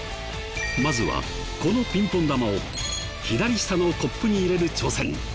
まずはこのピンポン球を左下のコップに入れる挑戦。